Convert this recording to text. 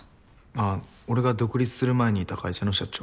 あっ俺が独立する前にいた会社の社長。